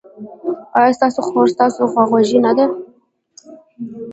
ایا ستاسو خور ستاسو خواخوږې نه ده؟